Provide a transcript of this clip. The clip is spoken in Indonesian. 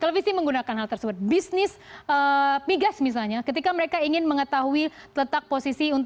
televisi menggunakan hal tersebut bisnis migas misalnya ketika mereka ingin mengetahui letak posisi